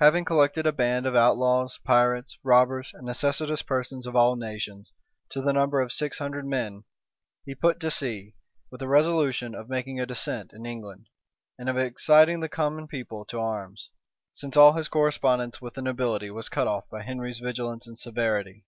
Having collected a band of outlaws, pirates, robbers, and necessitous persons of all nations, to the number of six hundred men, he put to sea, with a resolution of making a descent in England, and of exciting the common people to arms, since all his correspondence with the nobility was cut off by Henry vigilance and severity.